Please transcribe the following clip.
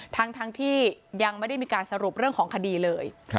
ทั้งที่ยังไม่ได้มีการสรุปเรื่องของคดีเลย